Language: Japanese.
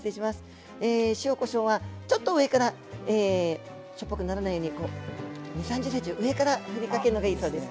え塩・こしょうはちょっと上からしょっぱくならないように２０３０ｃｍ上からふりかけるのがいいそうです。